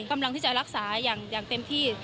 กำลังที่จะรักษาอย่างเต็มที่